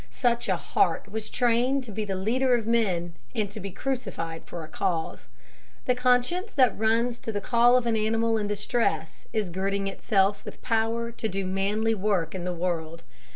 Such a heart was trained to be a leader of men, and to be crucified for a cause. The conscience that runs to the call of an animal in distress is girding itself with power to do manly work in the world.